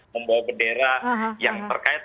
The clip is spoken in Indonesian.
membawa bendera yang terkait